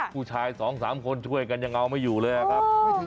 ผู้ชาย๒๓คนช่วยกันยังเอาไม่อยู่เลยครับ